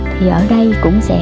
thì ở đây cũng sẽ